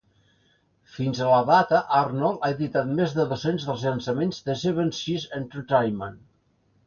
Fins a la data, Arnold ha editat més de dos-cents dels llançaments de Seven Seas Entertainment.